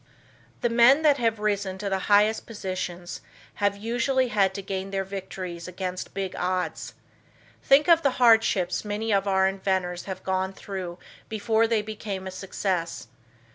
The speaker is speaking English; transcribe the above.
The men that have risen to the highest positions have usually had to gain their victories against big odds. Think of the hardships many of our inventors have gone through before they became a success.